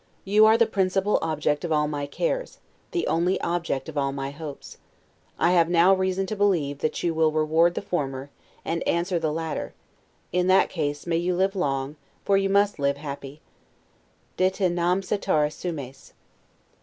You are the principal object of all my cares, the only object of all my hopes; I have now reason to believe, that you will reward the former, and answer the latter; in that case, may you live long, for you must live happy; 'de te nam caetera sumes'.